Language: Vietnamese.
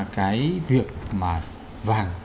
cái việc mà vàng